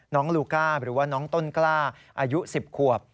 ลูก้าหรือว่าน้องต้นกล้าอายุ๑๐ขวบ